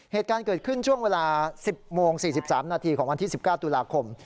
เหตุการณ์เกิดขึ้นช่วงเวลา๑๐โมง๔๓นาทีของวันที่๑๙ตุลาคม